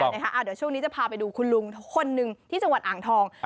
เดี๋ยวช่วงนี้จะพาไปดูคุณลุงคนหนึ่งที่จังหวัดอ่างทอง